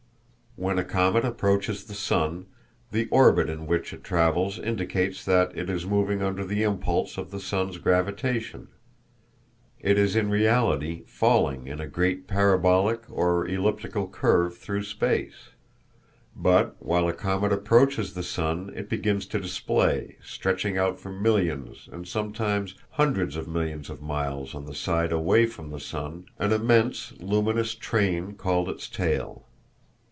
When a comet approaches the sun, the orbit in which it travels indicates that it is moving under the impulse of the sun's gravitation. It is in reality falling in a great parabolic or elliptical curve through space. But, while a comet approaches the sun it begins to display stretching out for millions, and sometimes hundreds of millions of miles on the side away from the sun an immense luminous train called its tail.